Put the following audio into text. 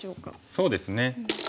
そうですね。